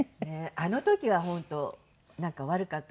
あの時は本当なんか悪かったと思ってるわ。